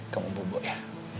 kamu bubuk ya